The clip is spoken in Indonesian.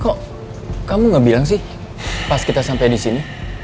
kok kamu gak bilang sih pas kita sampai disini